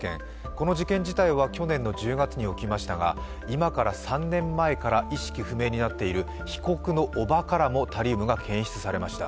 この事件自体は去年の１０月に起きましたが、意識不明になっている被告の叔母からもタリウムが検出されました。